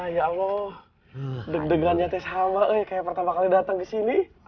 ya allah deg degan nyatanya sama eh kayak pertama kali datang ke sini